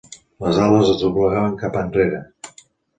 Les ales es doblegaven cap enrere.